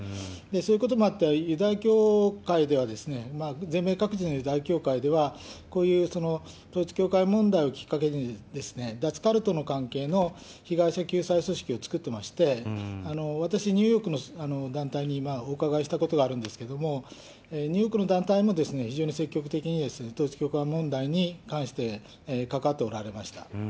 そういうこともあって、ユダヤ教会では、全米各地のでは、こういう統一教会問題をきっかけに脱カルトの関係の被害者救済組織を作っていまして、私、ニューヨークの団体にお伺いしたことがあるんですけども、ニューヨークの団体も、非常に積極的に統一教会問題に関して関わっておられました。